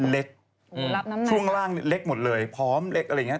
เล็กช่วงล่างเล็กหมดเลยพร้อมเล็กอะไรอย่างนี้